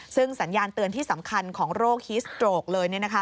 ซึ่งสัญญาณเตือนที่สำคัญของโรคฮิสโตรกเลย